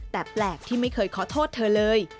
แต่แปลกที่ไม่เคยขอโทษเธอเลย